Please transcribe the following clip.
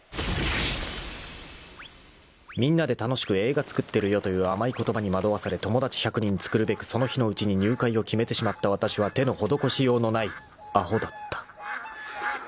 ［「みんなで楽しく映画作ってるよ」という甘い言葉に惑わされ友達１００人作るべくその日のうちに入会を決めてしまったわたしは手の施しようのないアホだった］